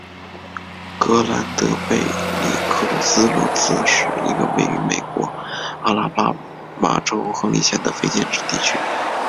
格兰德贝里克罗斯罗兹是一个位于美国阿拉巴马州亨利县的非建制地区。